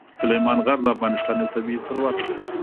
سلیمان غر د افغانستان یو طبعي ثروت دی.